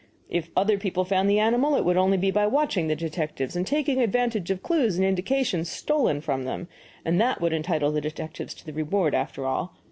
If other people found the animal, it would only be by watching the detectives and taking advantage of clues and indications stolen from them, and that would entitle the detectives to the reward, after all.